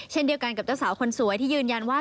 เช่นเดียวกันกับเจ้าสาวคนสวยที่ยืนยันว่า